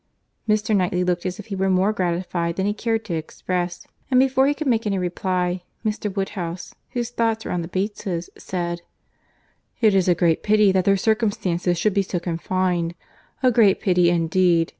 Mr. Knightley looked as if he were more gratified than he cared to express; and before he could make any reply, Mr. Woodhouse, whose thoughts were on the Bates's, said— "It is a great pity that their circumstances should be so confined! a great pity indeed!